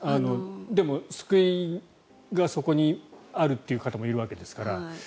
でも、救いがそこにあるという方もいるわけですから。